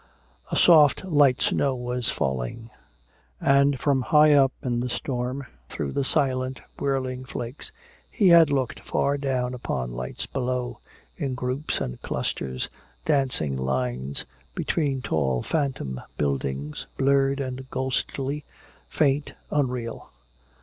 A soft light snow was falling; and from high up in the storm, through the silent whirling flakes, he had looked far down upon lights below, in groups and clusters, dancing lines, between tall phantom buildings, blurred and ghostly, faint, unreal.